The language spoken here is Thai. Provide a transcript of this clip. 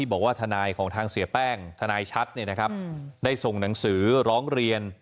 บอกว่าทนายของทางเสียแป้งทนายชัดได้ส่งหนังสือร้องเรียน